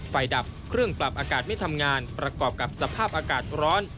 ดับเครื่องปรับอากาศไม่ทำงานประกอบกับสภาพอากาศร้อน